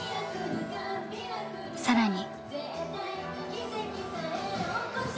さらに。